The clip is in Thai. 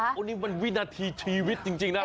อันนี้มันวินาทีชีวิตจริงนะ